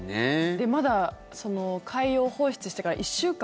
まだ、海洋放出してから１週間？